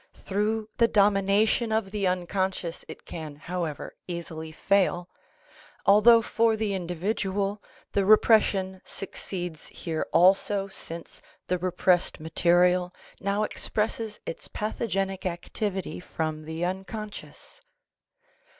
Through the domination of the unconscious it can, however, easily fail; although for the indi vidual the repression succeeds here also since the repressed material now expresses its pathogenic activity from the un conscious.